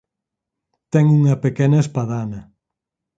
Ten unha pequena espadana.